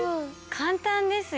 簡単ですよ。